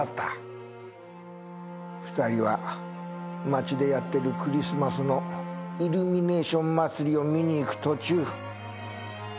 ２人は町でやってるクリスマスのイルミネーション祭りを見に行く途中。